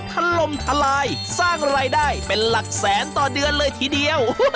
ถล่มทลายสร้างรายได้เป็นหลักแสนต่อเดือนเลยทีเดียว